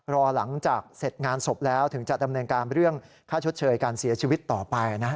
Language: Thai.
รอหลังจากเสร็จงานศพแล้วถึงจะดำเนินการเรื่องค่าชดเชยการเสียชีวิตต่อไปนะ